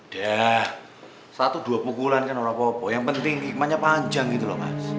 dah satu dua pukulan kan orang popo yang penting hikmahnya panjang gitu loh mas